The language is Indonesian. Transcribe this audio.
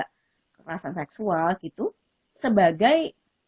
kekerasan seksual gitu sebagai